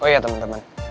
oh iya teman teman